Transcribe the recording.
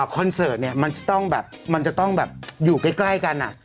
คอนเสิร์ตมันจะต้องอยู่ใกล้กัน